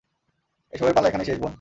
এসবের পালা এখানেই শেষ, বোন।